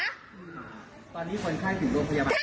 ตอนนี้คนไข้ถึงร่วมพยาบาล